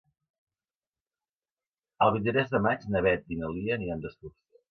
El vint-i-tres de maig na Beth i na Lia aniran d'excursió.